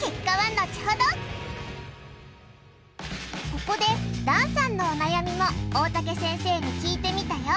ここで檀さんのお悩みも大竹先生に聞いてみたよ